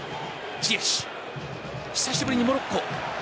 久しぶりに、モロッコ。